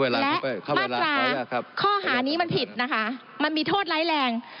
และมาตราข้อหานี้มันผิดนะคะมันมีโทษร้ายแรง